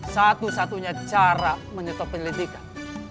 satu satunya cara menyetop penyelidikan